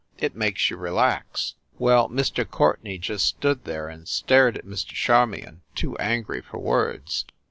It makes you relax." Well, Mr. Courtenay just stood there and stared at Mr. Charmion, too angry for words.